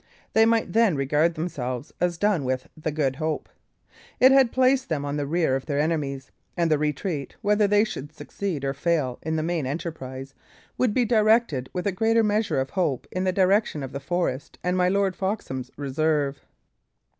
They might then regard themselves as done with the Good Hope; it had placed them on the rear of their enemies; and the retreat, whether they should succeed or fail in the main enterprise, would be directed with a greater measure of hope in the direction of the forest and my Lord Foxham's reserve.